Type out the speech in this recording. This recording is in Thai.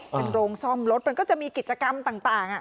เป็นโรงซ่อมรถมันก็จะมีกิจกรรมต่าง